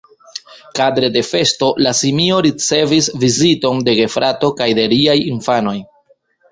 Kadre de festo, la simio ricevis viziton de gefrato kaj de riaj infanoj.